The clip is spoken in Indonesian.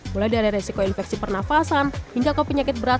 mulai dari resiko infeksi pernafasan hingga ke penyakit berat